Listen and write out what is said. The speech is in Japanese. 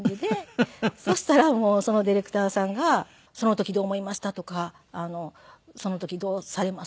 そしたらそのディレクターさんが「その時どう思いました？」とかその時どうされます